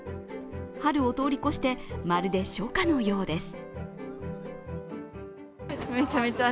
春を通り越して、まるで初夏のようです。